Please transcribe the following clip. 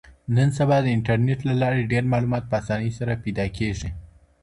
نن سبا د انټرنیټ له لارې ډېر مالومات په اسانۍ سره پیدا کېږي.